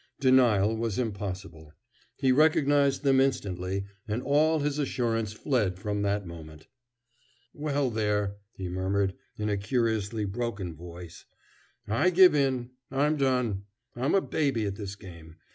Denial was impossible. He recognized them instantly, and all his assurance fled from that moment. "Well, there!" he murmured, in a curiously broken voice. "I give in! I'm done! I'm a baby at this game.